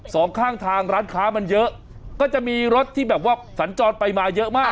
สองข้างทางร้านค้ามันเยอะก็จะมีรถที่แบบว่าสัญจรไปมาเยอะมาก